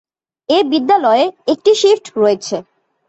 এই বিদ্যালয়ে একটি শিফট রয়েছে।